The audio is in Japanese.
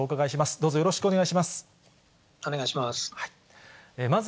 どうぞよろしくお願いいたしお願いします。